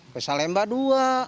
pesal lemba dua